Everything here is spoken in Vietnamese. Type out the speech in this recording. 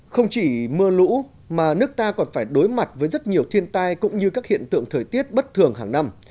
không chỉ mưa lũ mà nước ta còn phải đối mặt với rất nhiều thiên tai cũng như các hiện tượng thời tiết bất thường hàng năm